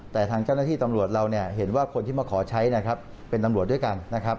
แต่ทางเจ้าหน้าที่ตำรวจเราเห็นว่าคนที่มาขอใช้เป็นตำรวจด้วยกัน